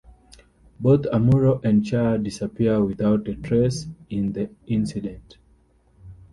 Both Amuro and Char disappear without a trace in the incident.